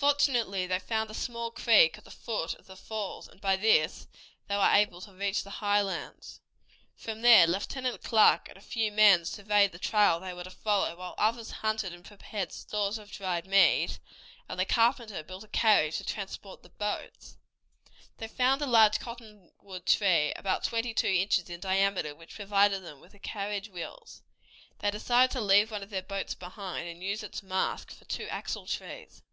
Fortunately they found a small creek at the foot of the falls, and by this they were able to reach the highlands. From there Lieutenant Clark and a few men surveyed the trail they were to follow, while others hunted and prepared stores of dried meat, and the carpenter built a carriage to transport the boats. They found a large cottonwood tree, about twenty two inches in diameter, which provided them with the carriage wheels. They decided to leave one of their boats behind, and use its mast for two axle trees.